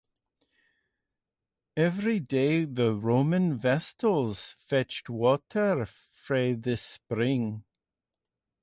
Every day the Roman Vestals fetched water from this spring.